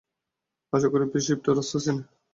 আশা করি, শিপটা রাস্তা চেনে।